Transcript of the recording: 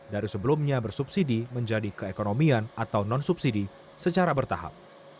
dari sebelumnya bersubsidi menjadi keekonomian atau non subsidi secara bertahap